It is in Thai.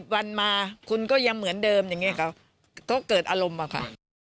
วันมาคุณก็ยังเหมือนเดิมอย่างนี้ค่ะก็เกิดอารมณ์อะค่ะ